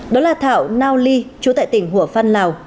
đó là thảo nao ly chú tại tỉnh hủa phan lào